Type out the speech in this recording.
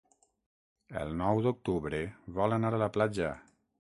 El nou d'octubre vol anar a la platja.